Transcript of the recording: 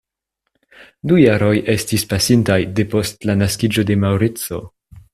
Du jaroj estis pasintaj depost la naskiĝo de Maŭrico.